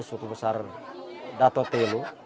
suku besar datotelu